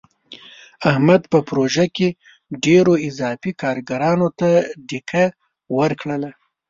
احمد په پروژه کې ډېرو اضافي کارګرانو ته ډیکه ورکړله.